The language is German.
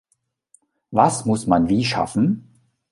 Was muss man wie schaffen?